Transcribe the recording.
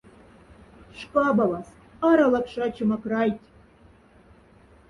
Шкабаваз, аралак шачема крайть!